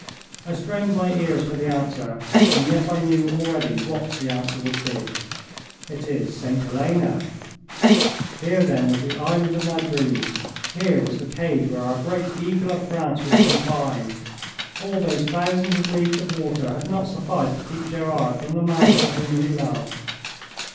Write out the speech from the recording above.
I strained my ears for the answer, and yet I knew already what the answer would be. "It is St. Helena." Here, then, was the island of my dreams! Here was the cage where our great Eagle of France was confined! All those thousands of leagues of water had not sufficed to keep Gerard from the master whom he loved.